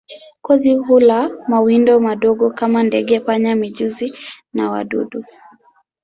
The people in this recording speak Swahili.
Kozi hula mawindo madogo kama ndege, panya, mijusi na wadudu.